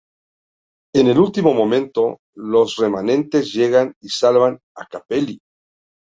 En el último momento, los Remanentes llegan y salvan a Capelli.